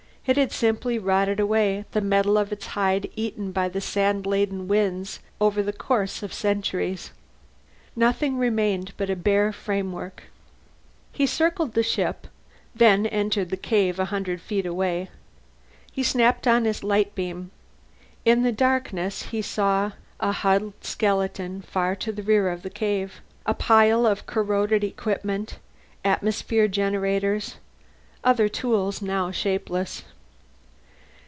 It had simply rotted away, the metal of its hide eaten by the sand laden winds over the course of centuries. Nothing remained but a bare framework. He circled the ship, then entered the cave a hundred feet away. He snapped on his lightbeam. In the darkness, he saw A huddled skeleton, far to the rear of the cave. A pile of corroded equipment; atmosphere generators, other tools now shapeless.